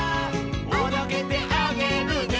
「おどけてあげるね」